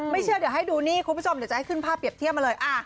เชื่อเดี๋ยวให้ดูนี่คุณผู้ชมเดี๋ยวจะให้ขึ้นภาพเปรียบเทียบมาเลย